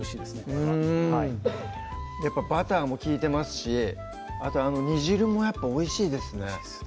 これはやっぱバターも利いてますしあと煮汁もやっぱおいしいですね